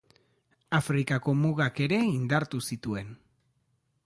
Afrikako mugak ere indartu zituen.